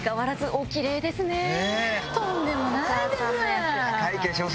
とんでもないです。